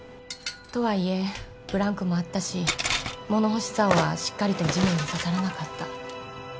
とはいえブランクもあったし物干しざおはしっかりと地面に刺さらなかった。